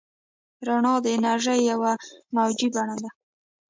رڼا د انرژۍ یوه موجي بڼه ده.